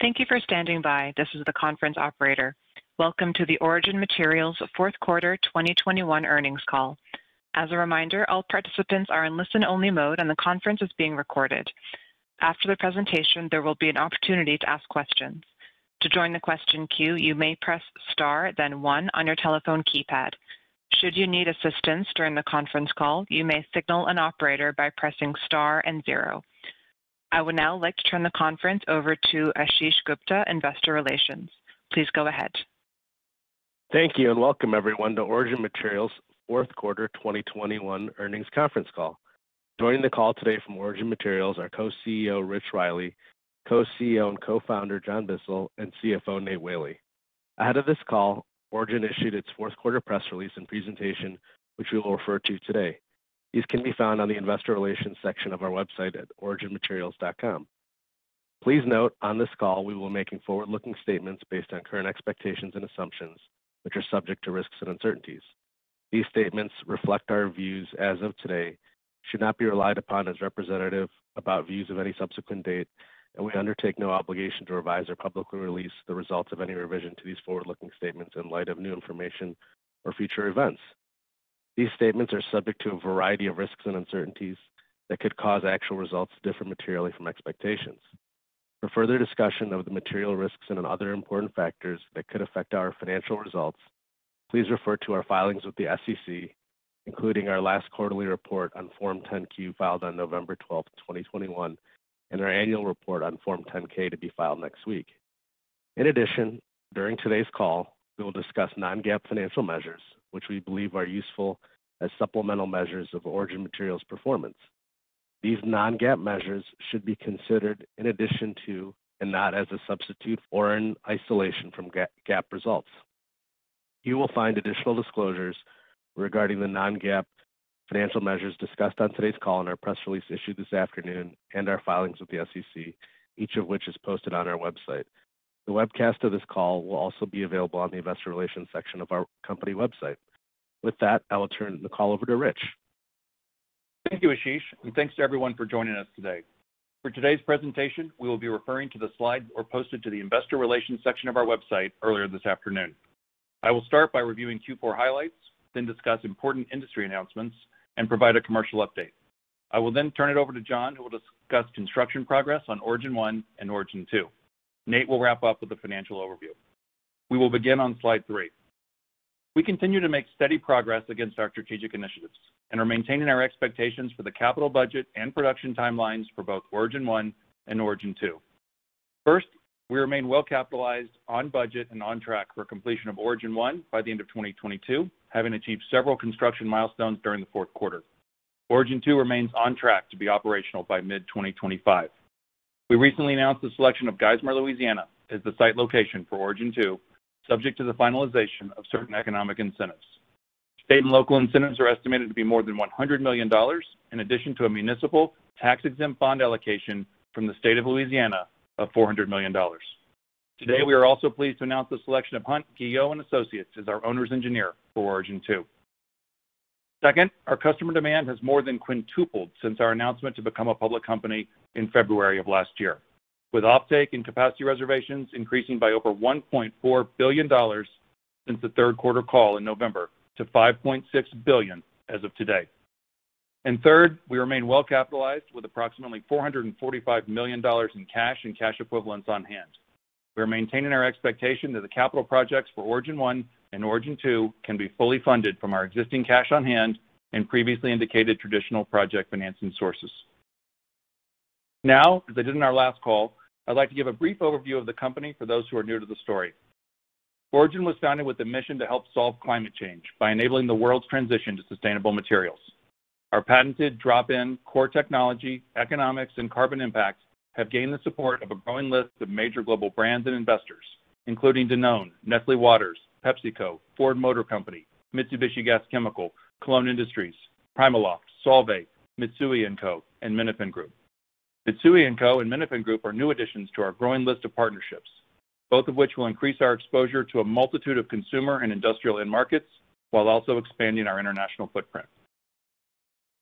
Thank you for standing by. This is the conference operator. Welcome to the Origin Materials fourth quarter 2021 earnings call. As a reminder, all participants are in listen-only mode, and the conference is being recorded. After the presentation, there will be an opportunity to ask questions. To join the question queue, you may press star then one on your telephone keypad. Should you need assistance during the conference call, you may signal an operator by pressing star and zero. I would now like to turn the conference over to Ashish Gupta, Investor Relations. Please go ahead. Thank you and welcome everyone to Origin Materials fourth quarter 2021 earnings conference call. Joining the call today from Origin Materials are Co-CEO Rich Riley, Co-CEO and Co-founder John Bissell, and CFO Nate Whaley. Ahead of this call, Origin issued its fourth quarter press release and presentation, which we will refer to today. These can be found on the investor relations section of our website at originmaterials.com. Please note, on this call we will be making forward-looking statements based on current expectations and assumptions, which are subject to risks and uncertainties. These statements reflect our views as of today, should not be relied upon as representative of views of any subsequent date, and we undertake no obligation to revise or publicly release the results of any revision to these forward-looking statements in light of new information or future events. These statements are subject to a variety of risks and uncertainties that could cause actual results to differ materially from expectations. For further discussion of the material risks and other important factors that could affect our financial results, please refer to our filings with the SEC, including our last quarterly report on Form 10-Q filed on November 12, 2021, and our annual report on Form 10-K to be filed next week. In addition, during today's call, we will discuss non-GAAP financial measures, which we believe are useful as supplemental measures of Origin Materials' performance. These non-GAAP measures should be considered in addition to, and not as a substitute or in isolation from GAAP results. You will find additional disclosures regarding the non-GAAP financial measures discussed on today's call in our press release issued this afternoon and our filings with the SEC, each of which is posted on our website. The webcast of this call will also be available on the investor relations section of our company website. With that, I will turn the call over to Rich. Thank you, Ashish, and thanks to everyone for joining us today. For today's presentation, we will be referring to the slides we posted to the investor relations section of our website earlier this afternoon. I will start by reviewing Q4 highlights, then discuss important industry announcements and provide a commercial update. I will then turn it over to John, who will discuss construction progress on Origin 1 and Origin 2. Nate will wrap up with the financial overview. We will begin on slide three. We continue to make steady progress against our strategic initiatives and are maintaining our expectations for the capital budget and production timelines for both Origin 1 and Origin 2. First, we remain well-capitalized, on budget and on track for completion of Origin 1 by the end of 2022, having achieved several construction milestones during the fourth quarter. Origin 2 remains on track to be operational by mid-2025. We recently announced the selection of Geismar, Louisiana, as the site location for Origin 2, subject to the finalization of certain economic incentives. State and local incentives are estimated to be more than $100 million in addition to a municipal tax-exempt bond allocation from the state of Louisiana of $400 million. Today, we are also pleased to announce the selection of Hunt, Guillot & Associates as our owner's engineer for Origin 2. Second, our customer demand has more than quintupled since our announcement to become a public company in February of last year, with offtake and capacity reservations increasing by over $1.4 billion since the third quarter call in November to $5.6 billion as of today. Third, we remain well capitalized with approximately $445 million in cash and cash equivalents on hand. We are maintaining our expectation that the capital projects for Origin 1 and Origin 2 can be fully funded from our existing cash on hand and previously indicated traditional project financing sources. Now, as I did in our last call, I'd like to give a brief overview of the company for those who are new to the story. Origin was founded with a mission to help solve climate change by enabling the world's transition to sustainable materials. Our patented drop-in core technology, economics, and carbon impact have gained the support of a growing list of major global brands and investors, including Danone, Nestlé Waters, PepsiCo, Ford Motor Company, Mitsubishi Gas Chemical, Kolon Industries, PrimaLoft, Solvay, Mitsui & Co, and Minafin Group. Mitsui & Co. and Minafin Group are new additions to our growing list of partnerships, both of which will increase our exposure to a multitude of consumer and industrial end markets while also expanding our international footprint.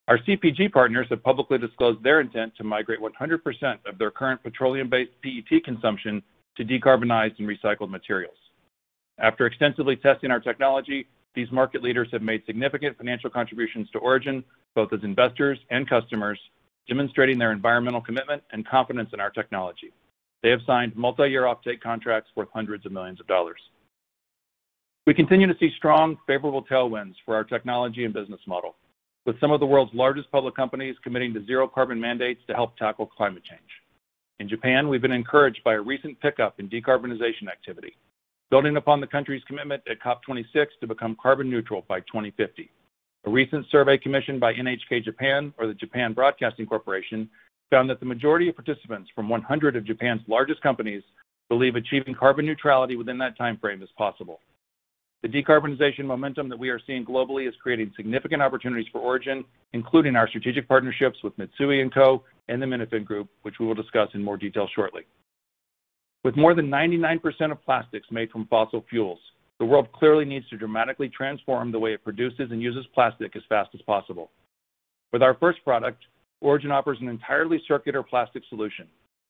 Our CPG partners have publicly disclosed their intent to migrate 100% of their current petroleum-based PET consumption to decarbonized and recycled materials. After extensively testing our technology, these market leaders have made significant financial contributions to Origin, both as investors and customers, demonstrating their environmental commitment and confidence in our technology. They have signed multi-year offtake contracts worth hundreds of millions of dollars. We continue to see strong favorable tailwinds for our technology and business model, with some of the world's largest public companies committing to zero carbon mandates to help tackle climate change. In Japan, we've been encouraged by a recent pickup in decarbonization activity, building upon the country's commitment at COP26 to become carbon neutral by 2050. A recent survey commissioned by NHK Japan or the Japan Broadcasting Corporation found that the majority of participants from 100 of Japan's largest companies believe achieving carbon neutrality within that timeframe is possible. The decarbonization momentum that we are seeing globally is creating significant opportunities for Origin, including our strategic partnerships with Mitsui & Co and the Minafin Group, which we will discuss in more detail shortly. With more than 99% of plastics made from fossil fuels, the world clearly needs to dramatically transform the way it produces and uses plastic as fast as possible. With our first product, Origin offers an entirely circular plastic solution,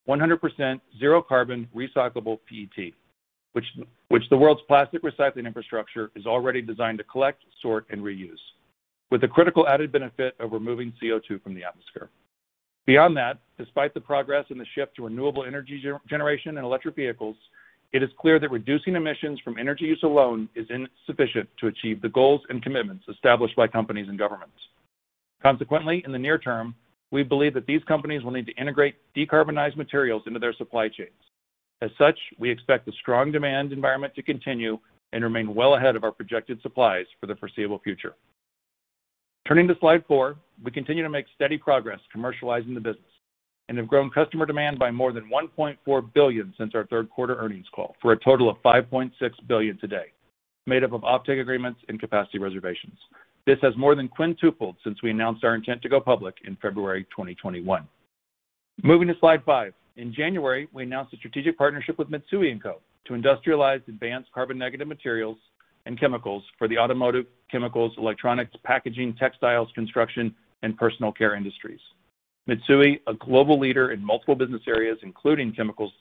100% zero carbon recyclable PET, which the world's plastic recycling infrastructure is already designed to collect, sort, and reuse, with the critical added benefit of removing CO₂ from the atmosphere. Beyond that, despite the progress in the shift to renewable energy generation and electric vehicles, it is clear that reducing emissions from energy use alone is insufficient to achieve the goals and commitments established by companies and governments. Consequently, in the near term, we believe that these companies will need to integrate decarbonized materials into their supply chains. As such, we expect a strong demand environment to continue and remain well ahead of our projected supplies for the foreseeable future. Turning to slide four, we continue to make steady progress commercializing the business and have grown customer demand by more than 1.4 billion since our third quarter earnings call, for a total of 5.6 billion today, made up of offtake agreements and capacity reservations. This has more than quintupled since we announced our intent to go public in February 2021. Moving to slide five. In January, we announced a strategic partnership with Mitsui & Co to industrialize advanced carbon negative materials and chemicals for the automotive, chemicals, electronics, packaging, textiles, construction, and personal care industries. Mitsui, a global leader in multiple business areas including chemicals,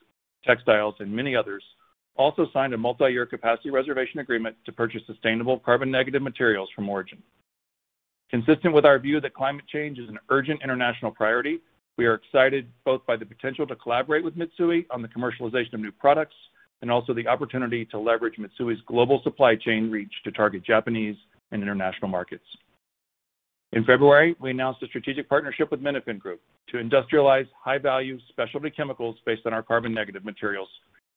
textiles, and many others, also signed a multi-year capacity reservation agreement to purchase sustainable carbon negative materials from Origin. Consistent with our view that climate change is an urgent international priority, we are excited both by the potential to collaborate with Mitsui on the commercialization of new products and also the opportunity to leverage Mitsui's global supply chain reach to target Japanese and international markets. In February, we announced a strategic partnership with Minafin Group to industrialize high-value specialty chemicals based on our carbon-negative materials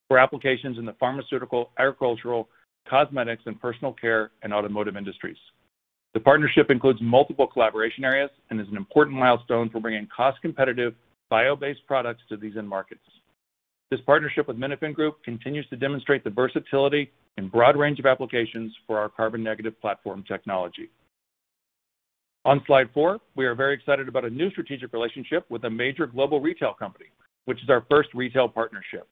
for applications in the pharmaceutical, agricultural, cosmetics, and personal care, and automotive industries. The partnership includes multiple collaboration areas and is an important milestone for bringing cost-competitive, bio-based products to these end markets. This partnership with Minafin Group continues to demonstrate the versatility and broad range of applications for our carbon-negative platform technology. On slide four, we are very excited about a new strategic relationship with a major global retail company, which is our first retail partnership.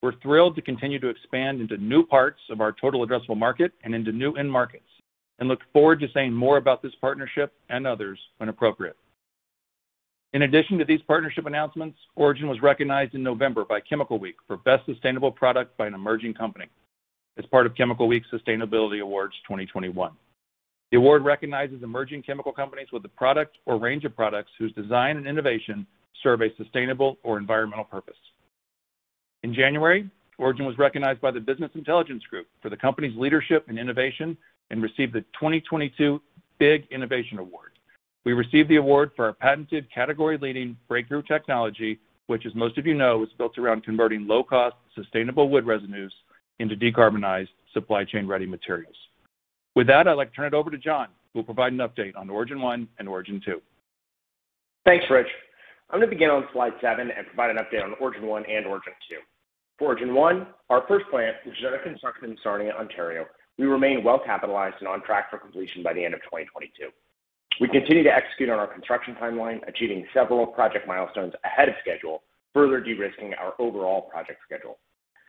We're thrilled to continue to expand into new parts of our total addressable market and into new end markets and look forward to saying more about this partnership and others when appropriate. In addition to these partnership announcements, Origin was recognized in November by Chemical Week for Best Sustainable Product by an Emerging Company as part of Chemical Week's Sustainability Awards 2021. The award recognizes emerging chemical companies with a product or range of products whose design and innovation serve a sustainable or environmental purpose. In January, Origin was recognized by the Business Intelligence Group for the company's leadership and innovation and received the 2022 BIG Innovation Award. We received the award for our patented category-leading breakthrough technology, which, as most of you know, is built around converting low-cost, sustainable wood residues into decarbonized supply chain-ready materials. With that, I'd like to turn it over to John, who will provide an update on Origin One and Origin Two. Thanks, Rich. I'm going to begin on slide seven and provide an update on Origin 1 and Origin 2. For Origin 1, our first plant, which is under construction in Sarnia, Ontario, we remain well capitalized and on track for completion by the end of 2022. We continue to execute on our construction timeline, achieving several project milestones ahead of schedule, further de-risking our overall project schedule.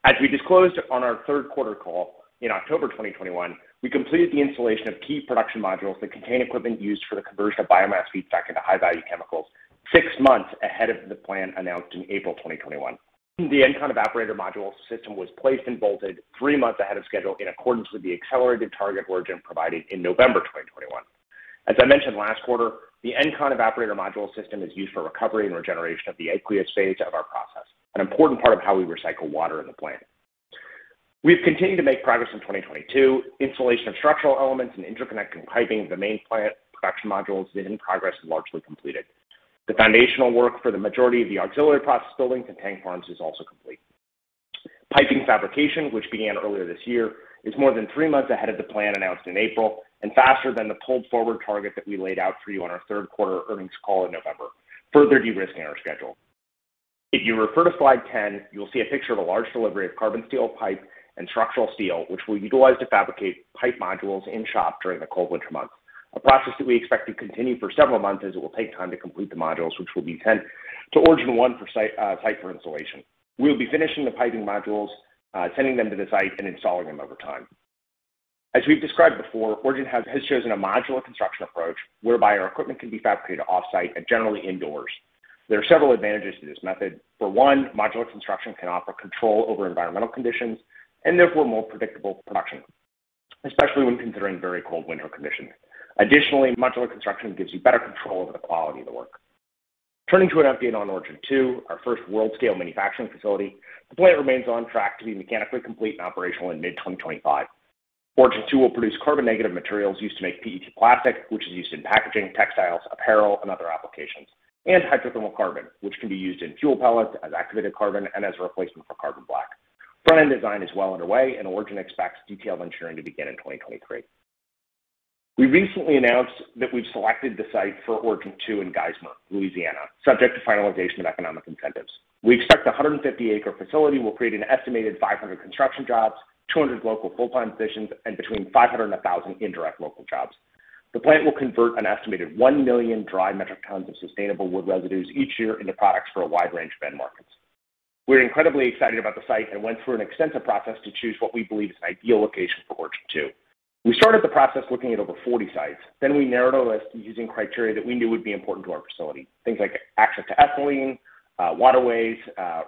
As we disclosed on our third-quarter call in October 2021, we completed the installation of key production modules that contain equipment used for the conversion of biomass feedstock into high-value chemicals six months ahead of the plan announced in April 2021. The ENCON evaporator module system was placed and bolted three months ahead of schedule in accordance with the accelerated target Origin provided in November 2021. As I mentioned last quarter, the ENCON evaporator module system is used for recovery and regeneration of the aqueous phase of our process, an important part of how we recycle water in the plant. We've continued to make progress in 2022. Installation of structural elements and interconnecting piping of the main plant production modules is in progress and largely completed. The foundational work for the majority of the auxiliary process buildings and tank farms is also complete. Piping fabrication, which began earlier this year, is more than three months ahead of the plan announced in April and faster than the pulled forward target that we laid out for you on our third quarter earnings call in November, further de-risking our schedule. If you refer to slide 10, you'll see a picture of a large delivery of carbon steel pipe and structural steel, which we'll utilize to fabricate pipe modules in shop during the cold winter months, a process that we expect to continue for several months as it will take time to complete the modules which will be sent to Origin 1 for onsite installation. We'll be finishing the piping modules, sending them to the site, and installing them over time. As we've described before, Origin has chosen a modular construction approach whereby our equipment can be fabricated off-site and generally indoors. There are several advantages to this method. For one, modular construction can offer control over environmental conditions and therefore more predictable production, especially when considering very cold winter conditions. Additionally, modular construction gives you better control over the quality of the work. Turning to an update on Origin 2, our first world scale manufacturing facility, the plant remains on track to be mechanically complete and operational in mid-2025. Origin 2 will produce carbon negative materials used to make PET plastic, which is used in packaging, textiles, apparel, and other applications. Hydrothermal carbon, which can be used in fuel pellets as activated carbon and as a replacement for carbon black. Front-end design is well underway, and Origin expects detailed engineering to begin in 2023. We recently announced that we've selected the site for Origin 2 in Geismar, Louisiana, subject to finalization of economic incentives. We expect the 150-acre facility will create an estimated 500 construction jobs, 200 local full-time positions, and between 500 and 1,000 indirect local jobs. The plant will convert an estimated one million dry metric tons of sustainable wood residues each year into products for a wide range of end markets. We're incredibly excited about the site and went through an extensive process to choose what we believe is an ideal location for Origin 2. We started the process looking at over 40 sites. We narrowed our list using criteria that we knew would be important to our facility. Things like access to ethylene, waterways,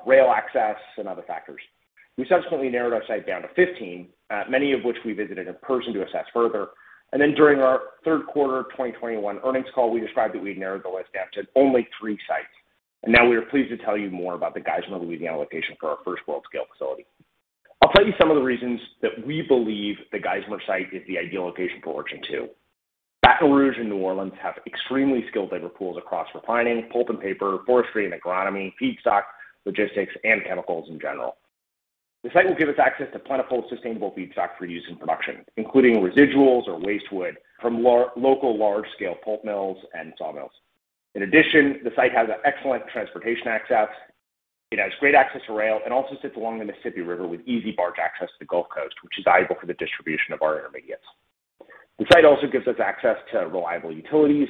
rail access, and other factors. We subsequently narrowed our site down to 15, many of which we visited in person to assess further. Then during our third quarter of 2021 earnings call, we described that we'd narrowed the list down to only three sites. Now we are pleased to tell you more about the Geismar, Louisiana, location for our first world-scale facility. I'll tell you some of the reasons that we believe the Geismar site is the ideal location for Origin 2. Baton Rouge and New Orleans have extremely skilled labor pools across refining, pulp and paper, forestry and agronomy, feedstock, logistics, and chemicals in general. The site will give us access to plentiful, sustainable feedstock for use in production, including residuals or waste wood from local large-scale pulp mills and sawmills. In addition, the site has excellent transportation access. It has great access to rail and also sits along the Mississippi River with easy barge access to the Gulf Coast, which is valuable for the distribution of our intermediates. The site also gives us access to reliable utilities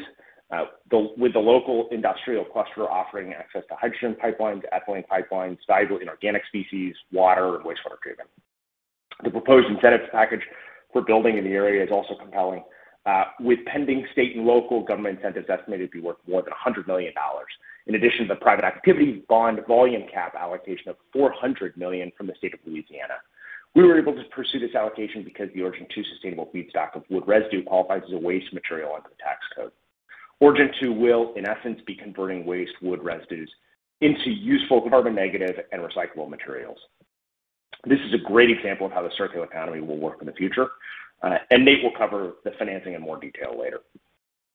with the local industrial cluster offering access to hydrogen pipelines, ethylene pipelines, valuable inorganic species, water, and wastewater treatment. The proposed incentives package for building in the area is also compelling, with pending state and local government incentives estimated to be worth more than $100 million in addition to the private activity bond volume cap allocation of $400 million from the State of Louisiana. We were able to pursue this allocation because the Origin 2 sustainable feedstock of wood residue qualifies as a waste material under the tax code. Origin 2 will, in essence, be converting waste wood residues into useful carbon-negative and recyclable materials. This is a great example of how the circular economy will work in the future. Nate will cover the financing in more detail later.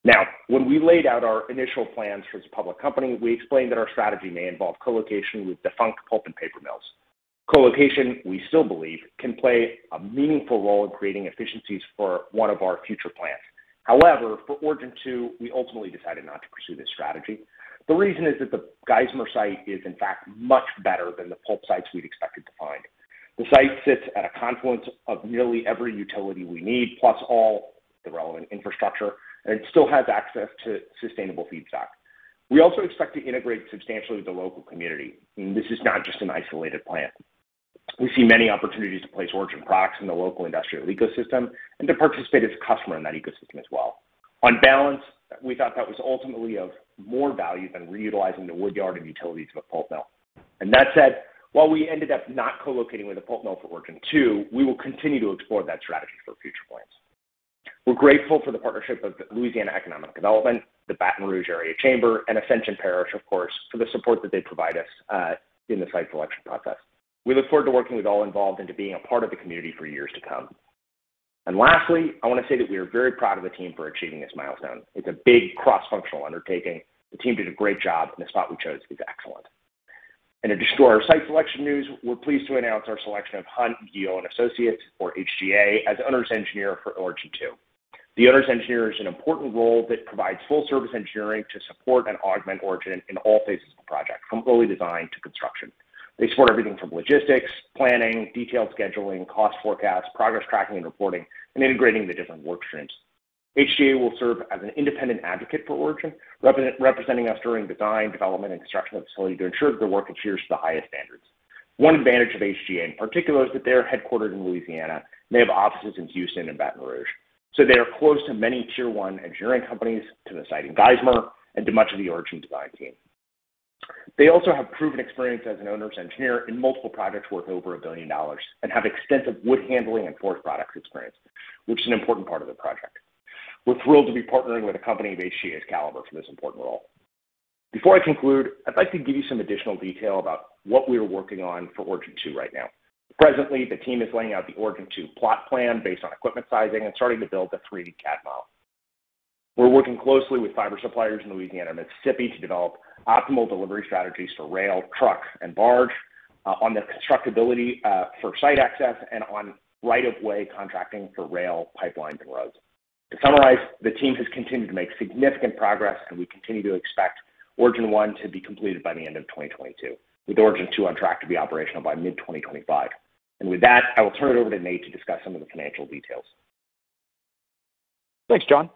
Now, when we laid out our initial plans for this public company, we explained that our strategy may involve co-location with defunct pulp and paper mills. Co-location, we still believe, can play a meaningful role in creating efficiencies for one of our future plants. However, for Origin 2, we ultimately decided not to pursue this strategy. The reason is that the Geismar site is, in fact, much better than the pulp sites we'd expected to find. The site sits at a confluence of nearly every utility we need, plus all the relevant infrastructure, and it still has access to sustainable feedstock. We also expect to integrate substantially with the local community, and this is not just an isolated plant. We see many opportunities to place Origin products in the local industrial ecosystem and to participate as a customer in that ecosystem as well. On balance, we thought that was ultimately of more value than reutilizing the woodyard and utilities of a pulp mill. That said, while we ended up not co-locating with a pulp mill for Origin 2, we will continue to explore that strategy for future plans. We're grateful for the partnership of the Louisiana Economic Development, the Baton Rouge Area Chamber, and Ascension Parish, of course, for the support that they provide us in the site selection process. We look forward to working with all involved and to being a part of the community for years to come. Lastly, I want to say that we are very proud of the team for achieving this milestone. It's a big cross-functional undertaking. The team did a great job, and the spot we chose is excellent. To just show our site selection news, we're pleased to announce our selection of Hunt, Guillot & Associates or HGA as owner's engineer for Origin 2. The owner's engineer is an important role that provides full service engineering to support and augment Origin in all phases of the project, from early design to construction. They support everything from logistics, planning, detailed scheduling, cost forecasts, progress tracking and reporting, and integrating the different work streams. HGA will serve as an independent advocate for Origin, representing us during design, development, and construction of the facility to ensure that their work adheres to the highest standards. One advantage of HGA in particular is that they are headquartered in Louisiana, and they have offices in Houston and Baton Rouge. They are close to many tier one engineering companies, to the site in Geismar, and to much of the Origin design team. They also have proven experience as an owner's engineer in multiple projects worth over $1 billion and have extensive wood handling and forest products experience, which is an important part of the project. We're thrilled to be partnering with a company of HGA's caliber for this important role. Before I conclude, I'd like to give you some additional detail about what we are working on for Origin 2 right now. Presently, the team is laying out the Origin 2 plot plan based on equipment sizing and starting to build a 3D CAD model. We're working closely with fiber suppliers in Louisiana and Mississippi to develop optimal delivery strategies for rail, truck, and barge, on the constructability, for site access, and on right of way contracting for rail, pipelines, and roads. To summarize, the team has continued to make significant progress, and we continue to expect Origin 1 to be completed by the end of 2022, with Origin 2 on track to be operational by mid-2025. With that, I will turn it over to Nate to discuss some of the financial details. Thanks, John.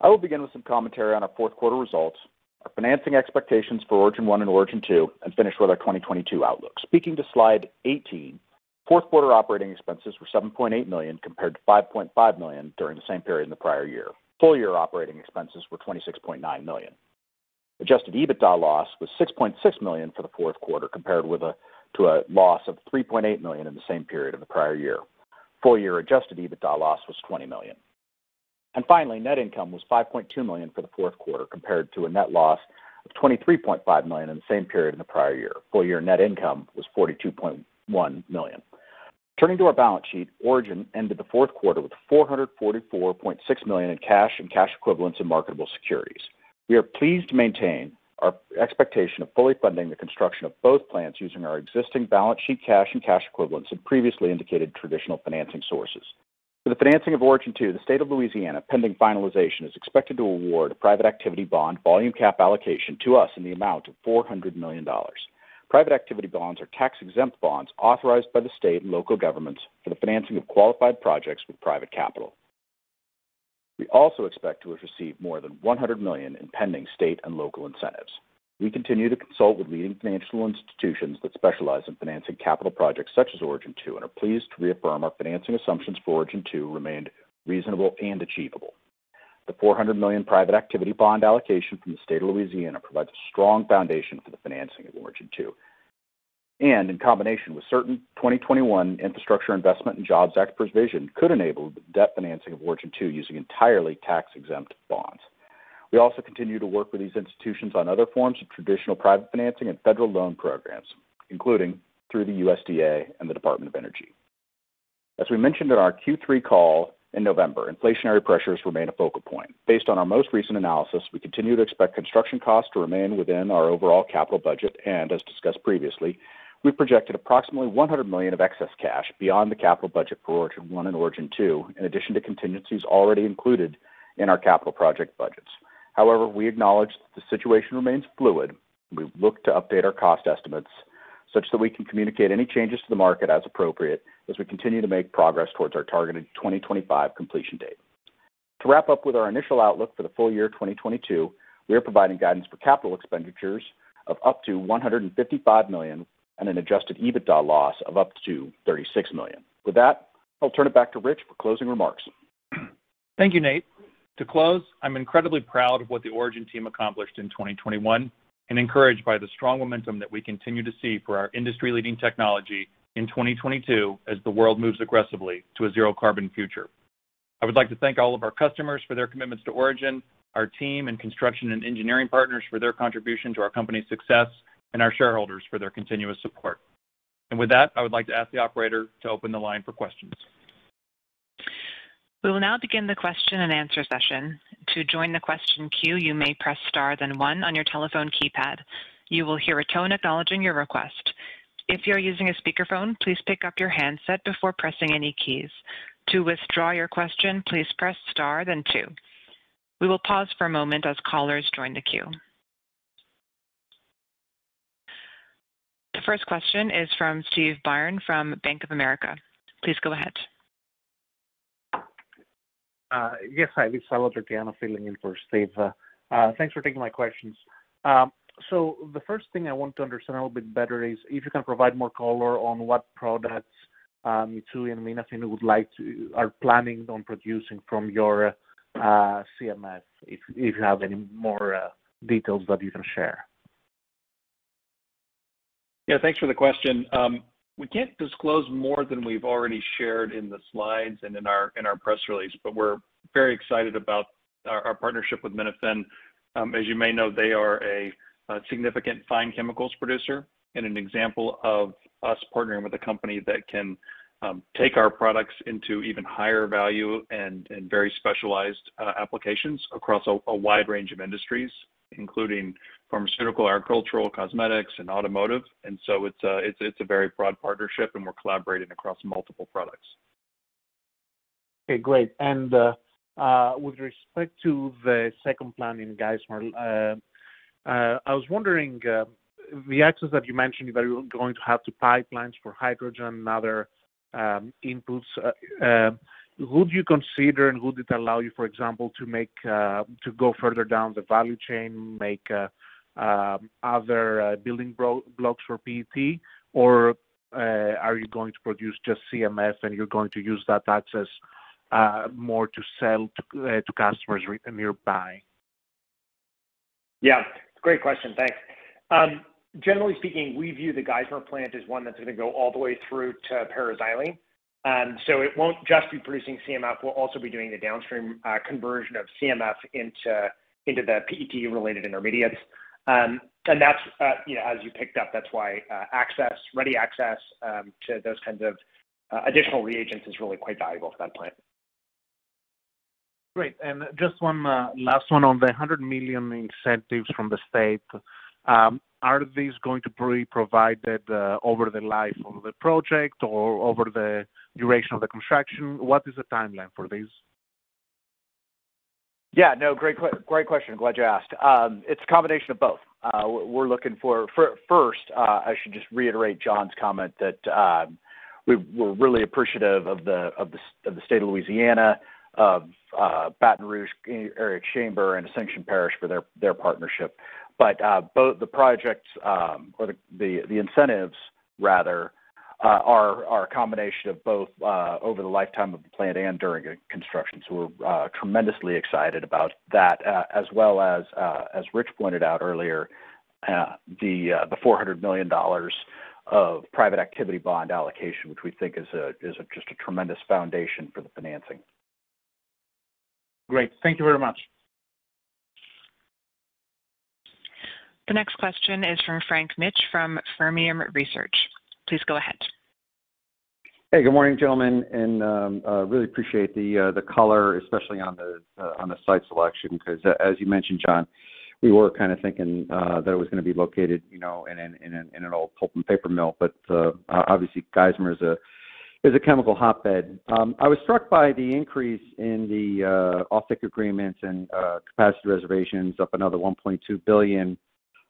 I will begin with some commentary on our fourth quarter results, our financing expectations for Origin 1 and Origin 2, and finish with our 2022 outlook. Speaking to slide 18, fourth quarter operating expenses were $7.8 million compared to $5.5 million during the same period in the prior year. Full year operating expenses were $26.9 million. Adjusted EBITDA loss was $6.6 million for the fourth quarter, compared to a loss of $3.8 million in the same period in the prior year. Full year adjusted EBITDA loss was $20 million. Finally, net income was $5.2 million for the fourth quarter, compared to a net loss of $23.5 million in the same period in the prior year. Full-year net income was $42.1 million. Turning to our balance sheet, Origin ended the fourth quarter with $444.6 million in cash and cash equivalents in marketable securities. We are pleased to maintain our expectation of fully funding the construction of both plants using our existing balance sheet cash and cash equivalents and previously indicated traditional financing sources. For the financing of Origin 2, the state of Louisiana, pending finalization, is expected to award a private activity bond volume cap allocation to us in the amount of $400 million. Private activity bonds are tax-exempt bonds authorized by the state and local governments for the financing of qualified projects with private capital. We also expect to have received more than $100 million in pending state and local incentives. We continue to consult with leading financial institutions that specialize in financing capital projects such as Origin 2, and are pleased to reaffirm our financing assumptions for Origin 2 remained reasonable and achievable. The $400 million private activity bond allocation from the state of Louisiana provides a strong foundation for the financing of Origin 2. In combination with certain 2021 Infrastructure Investment and Jobs Act provision could enable the debt financing of Origin 2 using entirely tax-exempt bonds. We also continue to work with these institutions on other forms of traditional private financing and federal loan programs, including through the USDA and the Department of Energy. As we mentioned in our Q3 call in November, inflationary pressures remain a focal point. Based on our most recent analysis, we continue to expect construction costs to remain within our overall capital budget. As discussed previously, we projected approximately $100 million of excess cash beyond the capital budget for Origin 1 and Origin 2, in addition to contingencies already included in our capital project budgets. However, we acknowledge that the situation remains fluid, and we look to update our cost estimates such that we can communicate any changes to the market as appropriate as we continue to make progress towards our targeted 2025 completion date. To wrap up with our initial outlook for the full year 2022, we are providing guidance for capital expenditures of up to $155 million and an adjusted EBITDA loss of up to $36 million. With that, I'll turn it back to Rich for closing remarks. Thank you, Nate. To close, I'm incredibly proud of what the Origin team accomplished in 2021 and encouraged by the strong momentum that we continue to see for our industry-leading technology in 2022 as the world moves aggressively to a zero carbon future. I would like to thank all of our customers for their commitments to Origin, our team, and construction and engineering partners for their contribution to our company's success and our shareholders for their continuous support. With that, I would like to ask the operator to open the line for questions. We will now begin the question and answer session. To join the question queue, you may press star then one on your telephone keypad. You will hear a tone acknowledging your request. If you're using a speakerphone, please pick up your handset before pressing any keys. To withdraw your question, please press star then two. We will pause for a moment as callers join the queue. The first question is from Steve Byrne from Bank of America. Please go ahead. Yes, hi, this is Salvator Tiano filling in for Steve. Thanks for taking my questions. The first thing I want to understand a little bit better is if you can provide more color on what products Mitsui and Minafin are planning on producing from your CMF, if you have any more details that you can share. Yeah, thanks for the question. We can't disclose more than we've already shared in the slides and in our press release, but we're very excited about our partnership with Minafin. As you may know, they are a significant fine chemicals producer and an example of us partnering with a company that can take our products into even higher value and very specialized applications across a wide range of industries, including pharmaceutical, agricultural, cosmetics, and automotive. It's a very broad partnership, and we're collaborating across multiple products. Okay, great. With respect to the second plant in Geismar, I was wondering, the access that you mentioned, that you're going to have two pipelines for hydrogen and other inputs, would you consider and would it allow you, for example, to go further down the value chain, make other building blocks for PET? Or, are you going to produce just CMF, and you're going to use that access more to sell to customers nearby? Yeah. Great question, thanks. Generally speaking, we view the Geismar plant as one that's gonna go all the way through to para-xylene. It won't just be producing CMF, we'll also be doing the downstream conversion of CMF into the PET-related intermediates. That's, you know, as you picked up, that's why access, ready access to those kinds of additional reagents is really quite valuable for that plant. Great. Just one last one on the $100 million incentives from the state. Are these going to be provided over the life of the project or over the duration of the construction? What is the timeline for these? Yeah, no, great question. Glad you asked. It's a combination of both. First, I should just reiterate John's comment that we're really appreciative of the State of Louisiana, Baton Rouge Area Chamber and Ascension Parish for their partnership. Both the projects and the incentives rather are a combination of both over the lifetime of the plant and during construction. We're tremendously excited abou,t that as well as Rich pointed out earlier, the $400 million of private activity bond allocation, which we think is just a tremendous foundation for the financing. Great. Thank you very much. The next question is from Frank Mitsch from Fermium Research. Please go ahead. Hey, good morning, gentlemen, and really appreciate the color, especially on the site selection, 'cause as you mentioned, John, we were kinda thinking that it was gonna be located, you know, in an old pulp and paper mill, but obviously Geismar is a chemical hotbed. I was struck by the increase in the offtake agreements and capacity reservations up another $1.2 billion.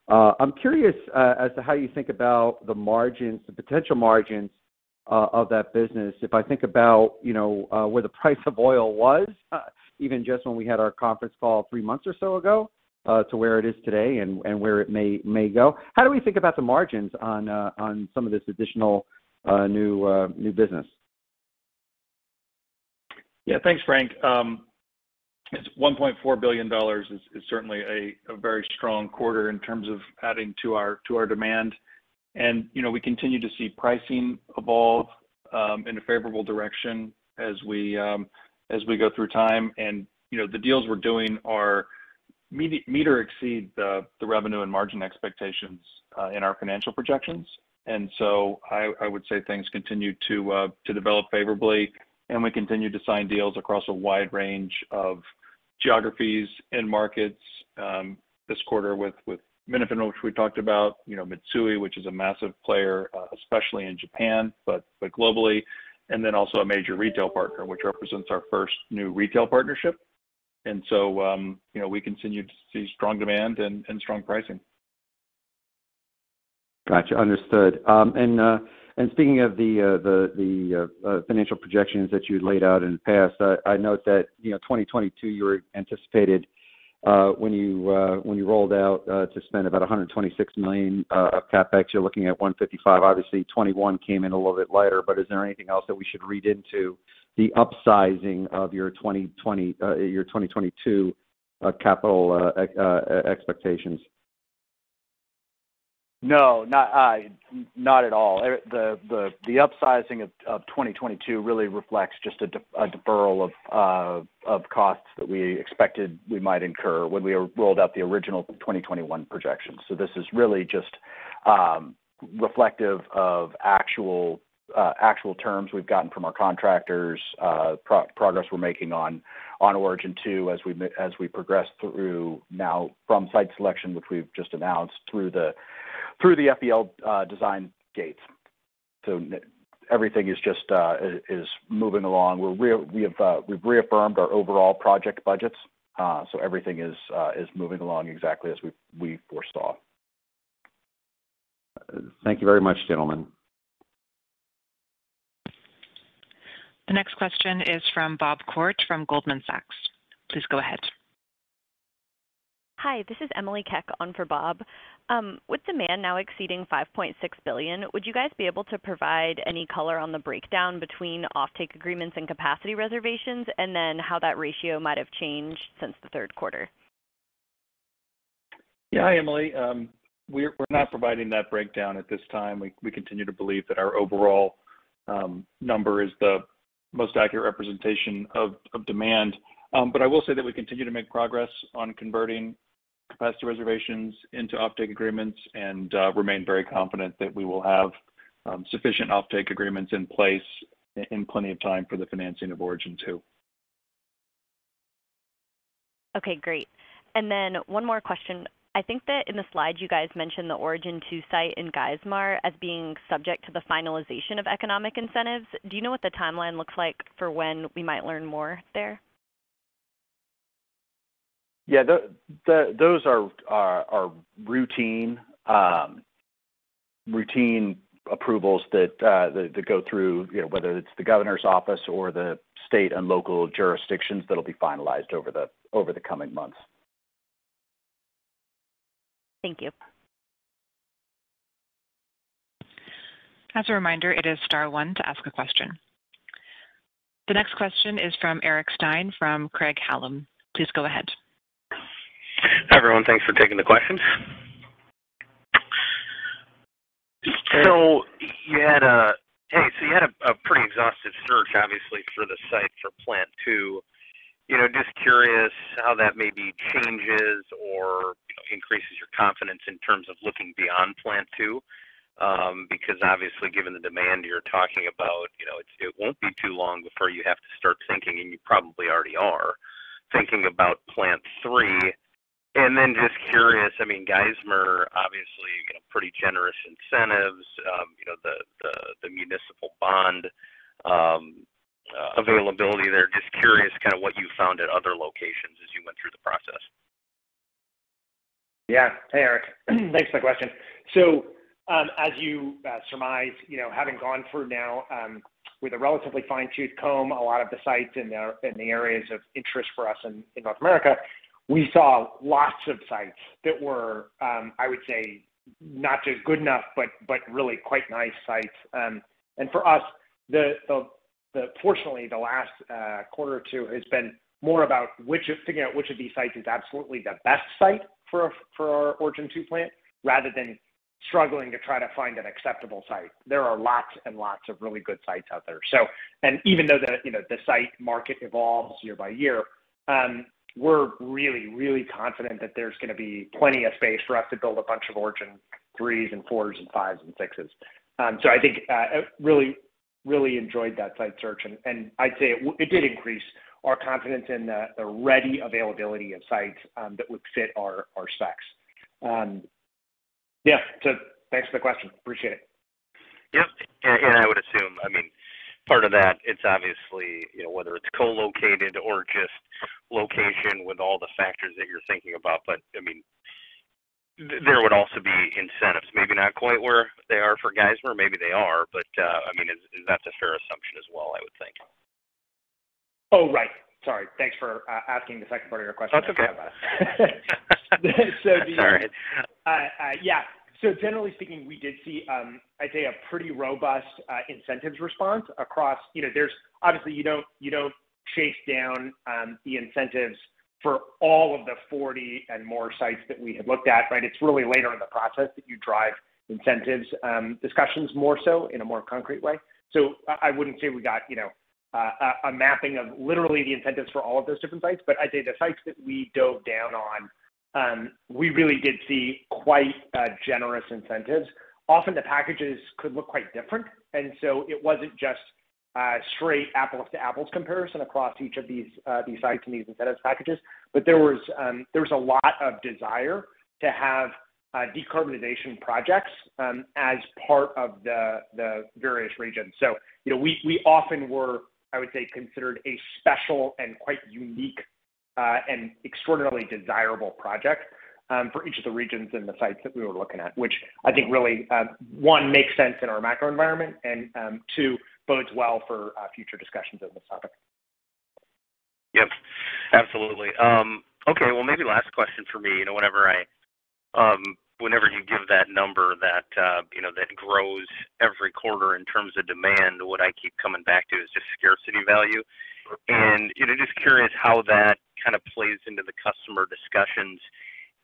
I'm curious as to how you think about the margins, the potential margins, of that business. If I think about, you know, where the price of oil was, even just when we had our conference call three months or so ago, to where it is today, and where it may go. How do we think about the margins on some of this additional new business? Yeah. Thanks, Frank. It's $1.4 billion is certainly a very strong quarter in terms of adding to our demand. You know, we continue to see pricing evolve in a favorable direction as we go through time and, you know, the deals we're doing are meet or exceed the revenue and margin expectations in our financial projections. I would say things continue to develop favorably, and we continue to sign deals across a wide range of geographies and markets this quarter with Minafin, which we talked about, you know, Mitsui, which is a massive player especially in Japan, but globally, and then also a major retail partner, which represents our first new retail partnership. You know, we continue to see strong demand and strong pricing. Gotcha. Understood. Speaking of the financial projections that you laid out in the past, I note that, you know, 2022, you were anticipated when you rolled out to spend about $126 million of CapEx. You're looking at $155 million. Obviously, 2021 came in a little bit lighter, but is there anything else that we should read into the upsizing of your 2022 capital expectations? No. Not at all. The upsizing of 2022 really reflects just a deferral of costs that we expected we might incur when we rolled out the original 2021 projections. This is really just reflective of actual terms we've gotten from our contractors, progress we're making on Origin 2 as we progress through now from site selection, which we've just announced through the FEL design dates. Everything is just moving along. We've reaffirmed our overall project budgets, so everything is moving along exactly as we foresaw. Thank you very much, gentlemen. The next question is from Bob Koort from Goldman Sachs. Please go ahead. Hi. This is Emily Chieng on for Bob. With demand now exceeding 5.6 billion, would you guys be able to provide any color on the breakdown between offtake agreements and capacity reservations, and then how that ratio might have changed since the third quarter? Yeah. Hi, Emily. We're not providing that breakdown at this time. We continue to believe that our overall number is the most accurate representation of demand. I will say that we continue to make progress on converting capacity reservations into offtake agreements and remain very confident that we will have sufficient offtake agreements in place in plenty of time for the financing of Origin 2. Okay. Great. One more question. I think that in the slide you guys mentioned the Origin 2 site in Geismar as being subject to the finalization of economic incentives. Do you know what the timeline looks like for when we might learn more there? Yeah. Those are routine approvals that go through, you know, whether it's the governor's office or the state and local jurisdictions that'll be finalized over the coming months. Thank you. As a reminder, it is star one to ask a question. The next question is from Eric Stine from Craig-Hallum. Please go ahead. Hi, everyone. Thanks for taking the questions. You had a pretty exhaustive search, obviously, for the site for Plant two. You know, just curious how that maybe changes or, you know, increases your confidence in terms of looking beyond Plant two. Because obviously, given the demand you're talking about, you know, it won't be too long before you have to start thinking, and you probably already are, thinking about Plant three. Then just curious, I mean, Geismar, obviously, you know, pretty generous incentives, you know, the municipal bond availability there. Just curious kind of what you found at other locations as you went through the process. Yeah. Hey, Eric. Thanks for the question. As you surmise, you know, having gone through now with a relatively fine-tooth comb a lot of the sites in the areas of interest for us in North America, we saw lots of sites that were I would say not just good enough, but really quite nice sites. For us, fortunately, the last quarter or two has been more about figuring out which of these sites is absolutely the best site for our Origin 2 plant rather than struggling to try to find an acceptable site. There are lots and lots of really good sites out there. Even though the site market evolves year by year, you know, we're really confident that there's gonna be plenty of space for us to build a bunch of Origin 3s and 4s and 5s and 6s. I think we really enjoyed that site search, and I'd say it did increase our confidence in the ready availability of sites that would fit our specs. Thanks for the question. Appreciate it. Yep. Yeah, I would assume. Part of that, it's obviously, you know, whether it's co-located or just location with all the factors that you're thinking about. But, I mean, there would also be incentives, maybe not quite where they are for Geismar, maybe they are, but, I mean, is that a fair assumption as well, I would think? Oh, right. Sorry. Thanks for asking the second part of your question. That's okay. So the- Sorry. Yeah. Generally speaking, we did see, I'd say a pretty robust incentives response across. You know, there's obviously you don't chase down the incentives for all of the 40 and more sites that we had looked at, right? It's really later in the process that you drive incentives discussions more so in a more concrete way. I wouldn't say we got, you know, a mapping of literally the incentives for all of those different sites. But I'd say the sites that we dove down on, we really did see quite generous incentives. Often the packages could look quite different, and so it wasn't just straight apples to apples comparison across each of these sites and these incentives packages. There was a lot of desire to have decarbonization projects as part of the various regions. You know, we often were, I would say, considered a special and quite unique and extraordinarily desirable project for each of the regions and the sites that we were looking at, which I think really one makes sense in our macro environment, and two bodes well for future discussions on this topic. Yep, absolutely. Okay, well, maybe last question for me. You know, whenever you give that number that, you know, that grows every quarter in terms of demand, what I keep coming back to is just scarcity value. You know, just curious how that kind of plays into the customer discussions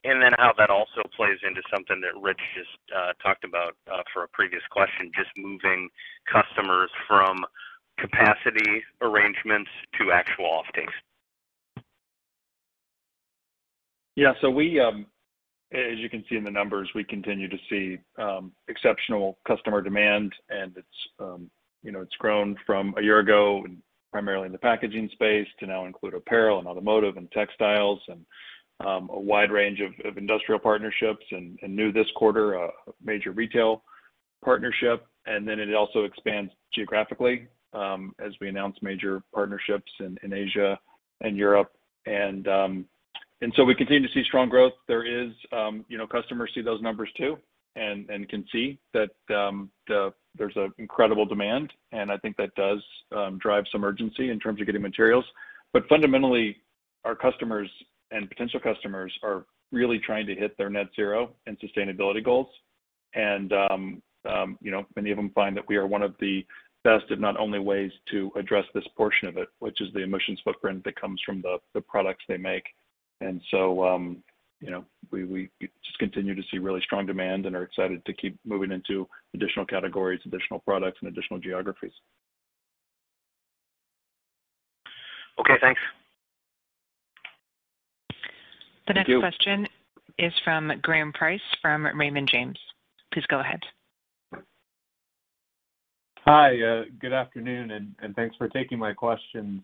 and then how that also plays into something that Rich just talked about for a previous question, just moving customers from capacity arrangements to actual offtakes. Yeah. We, as you can see in the numbers, we continue to see exceptional customer demand, and it's, you know, it's grown from a year ago, primarily in the packaging space to now include apparel and automotive and textiles and a wide range of industrial partnerships and new this quarter, a major retail partnership. It also expands geographically, as we announce major partnerships in Asia and Europe. We continue to see strong growth. There is, you know, customers see those numbers too and can see that there's an incredible demand, and I think that does drive some urgency in terms of getting materials. Fundamentally, our customers and potential customers are really trying to hit their net zero and sustainability goals. You know, many of them find that we are one of the best, if not only, ways to address this portion of it, which is the emissions footprint that comes from the products they make. You know, we just continue to see really strong demand and are excited to keep moving into additional categories, additional products, and additional geographies. Okay, thanks. Thank you. The next question is from Graham Price, from Raymond James. Please go ahead. Hi, good afternoon, and thanks for taking my questions.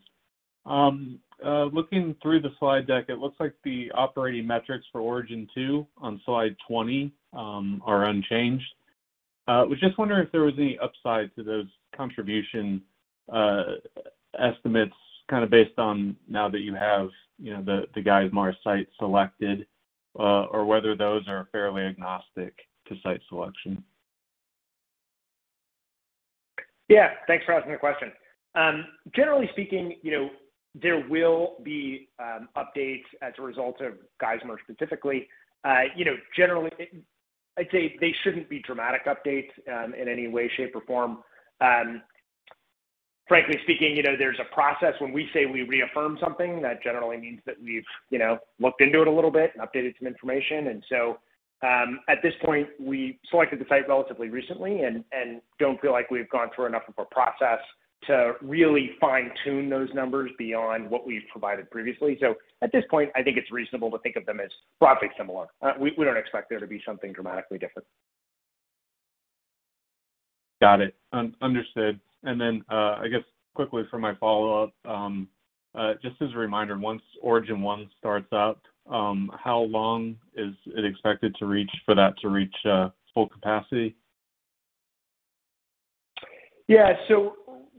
Looking through the slide deck, it looks like the operating metrics for Origin 2 on slide 20 are unchanged. Was just wondering if there was any upside to those contribution estimates kind of based on now that you have the Geismar site selected, or whether those are fairly agnostic to site selection. Yeah, thanks for asking the question. Generally speaking, you know, there will be updates as a result of Geismar specifically. You know, generally, I'd say they shouldn't be dramatic updates in any way, shape, or form. Frankly speaking, you know, there's a process when we say we reaffirm something, that generally means that we've you know, looked into it a little bit and updated some information. At this point, we selected the site relatively recently and don't feel like we've gone through enough of a process to really fine-tune those numbers beyond what we've provided previously. At this point, I think it's reasonable to think of them as broadly similar. We don't expect there to be something dramatically different. Got it. Understood. I guess quickly for my follow-up, just as a reminder, once Origin 1 starts up, how long is it expected for that to reach full capacity?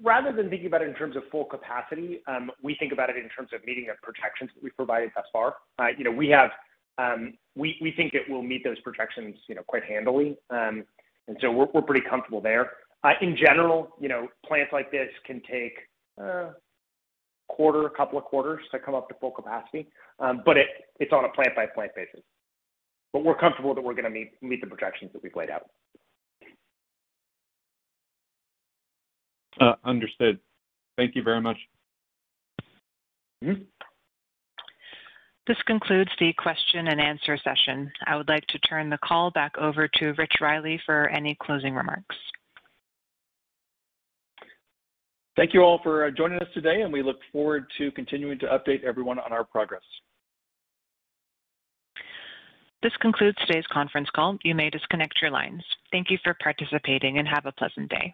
Rather than thinking about it in terms of full capacity, we think about it in terms of meeting the protections that we've provided thus far. You know, we think it will meet those protections, you know, quite handily. We're pretty comfortable there. In general, you know, plants like this can take a quarter, a couple of quarters to come up to full capacity. It's on a plant-by-plant basis. We're comfortable that we're gonna meet the projections that we've laid out. Understood. Thank you very much. Mm-hmm. This concludes the question and answer session. I would like to turn the call back over to Rich Riley for any closing remarks. Thank you all for joining us today, and we look forward to continuing to update everyone on our progress. This concludes today's conference call. You may disconnect your lines. Thank you for participating, and have a pleasant day.